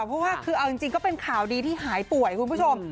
เพราะว่าคือเอาจริงก็เป็นข่าวดีที่หายป่วยคุณผู้ชม